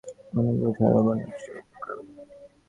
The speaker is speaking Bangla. ছড়ার পারে ছিল বুনো লেবুর অনেকগুলো ঝাড় আর বনে উচ্ছে ও কাঁকরোল।